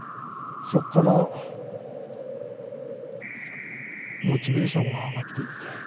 そこからモチベーションが上がっていって。